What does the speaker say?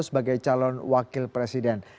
sebagai calon wakil presiden